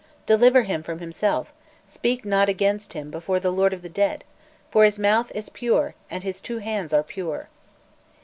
Deliver him from himself, speak not against him before the Lord of the Dead, for his mouth is pure, and his two hands are pure!"